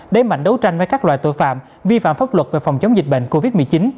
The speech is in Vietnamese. đẩy mạnh đấu tranh với các loại tội phạm vi phạm pháp luật về phòng chống dịch bệnh covid một mươi chín